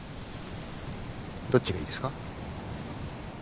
どっちがいいですか？